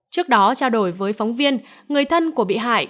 trước đó trao đổi với phóng viên người thân của bị hại